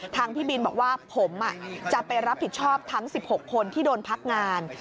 พี่บินบอกว่าผมจะไปรับผิดชอบทั้ง๑๖คนที่โดนพักงาน